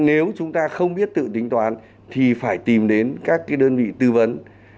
nếu chúng ta không biết tự tính toán thì phải tìm đến các cái đơn vị tư vấn